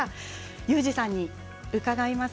裕士さんに伺います。